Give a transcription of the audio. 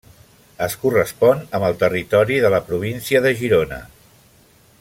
Es correspon amb el territori de la província de Girona.